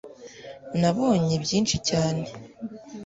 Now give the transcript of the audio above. nabonye byinshi cyane